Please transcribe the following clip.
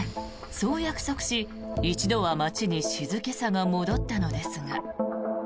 そう約束し一度は街に静けさが戻ったのですが。